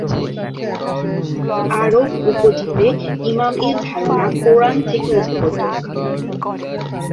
আরব উপদ্বীপে ইমাম এর ধারণা কোরআন থেকে উদ্ভূত।